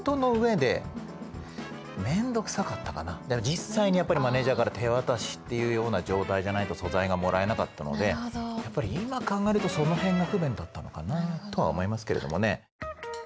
実際にやっぱりマネージャーから手渡しっていうような状態じゃないと素材がもらえなかったのでやっぱり今考えるとその辺が不便だったのかなとは思いますけれどもね。